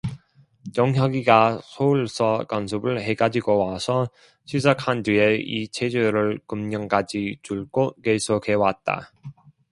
동혁이가 서울서 강습을 해가지고 와서 시작한 뒤에 이 체조를 금년까지 줄곧 계속해 왔다.